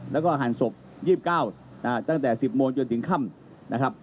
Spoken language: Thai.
แล้วก็หันศพ๒๙ตั้งแต่๑๐โมงจนถึงค่ำนะครับ